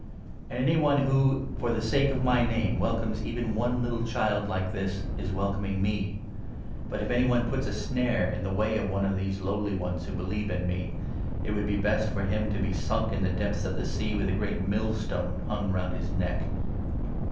And 5 any one who, for the sake of my Name, welcomes even one little child like this, is welcoming me. But, if any one puts a 6 Against snare in the way of one of these lowly ones who hindering believe in me, it would be best for him to be sunk others. jn fae depths of the sea with a great millstone hung round his neck.